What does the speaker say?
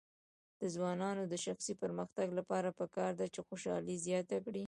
د ځوانانو د شخصي پرمختګ لپاره پکار ده چې خوشحالي زیاته کړي.